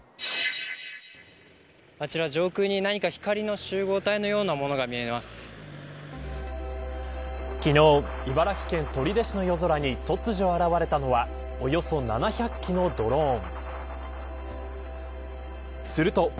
あちら上空に何か光の集合体のようなものが昨日、茨城県取手市の夜空に突如現れたのはおよそ７００機のドローン。